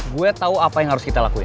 gue tahu apa yang harus kita lakuin